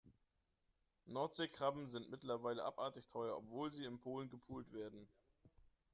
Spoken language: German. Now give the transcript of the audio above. Nordseekrabben sind mittlerweile abartig teuer, obwohl sie in Polen gepult werden.